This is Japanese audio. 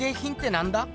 なんだ？